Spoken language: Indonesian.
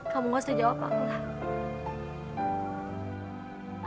kamu gak usah jawab aku lah